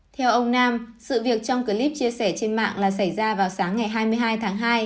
theo ông nam sự việc trong clip chia sẻ trên mạng là xảy ra vào sáng ngày hai mươi hai tháng hai